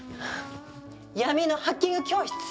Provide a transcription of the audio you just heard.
闇のハッキング教室。